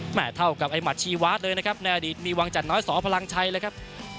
เท่ากับไอ้หัชชีวาสเลยนะครับในอดีตมีวังจัดน้อยสอพลังชัยเลยครับ